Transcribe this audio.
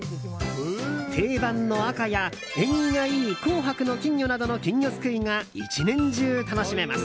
定番の赤や縁起がいい紅白の金魚などの金魚すくいが１年中楽しめます。